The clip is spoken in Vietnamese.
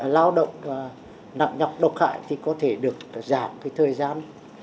lao động nặng nhọc độc hại thì có thể được giảm cái thời gian